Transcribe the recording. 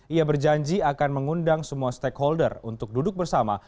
ia berjanji akan mengundang semua stakeholder untuk duduk bersama